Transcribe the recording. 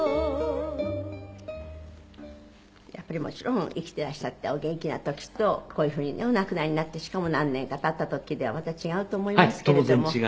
もちろん生きてらっしゃってお元気な時とこういう風にねお亡くなりになってしかも何年か経った時ではまた違うと思いますけれども。